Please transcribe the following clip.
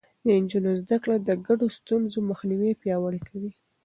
د نجونو زده کړه د ګډو ستونزو مخنيوی پياوړی کوي.